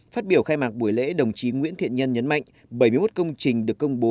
phát biểu khai mạc buổi lễ đồng chí nguyễn thiện nhân nhấn mạnh bảy mươi một công trình được công bố